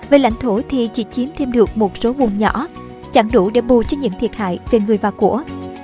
về lãnh thổ thì chỉ chiếm thêm được một số nguồn nhỏ chẳng đủ để bù cho những thiệt hại về người và của